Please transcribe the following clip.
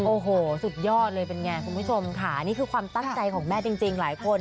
โอ้โหสุดยอดเลยเป็นไงคุณผู้ชมค่ะนี่คือความตั้งใจของแม่จริงหลายคน